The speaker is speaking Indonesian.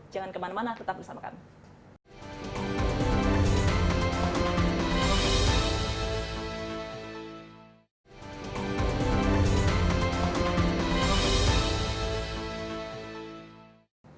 jangan kemana mana tetap bersama kami